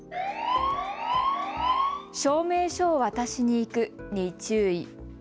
証明書を渡しに行くに注意。